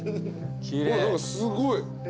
何かすごい。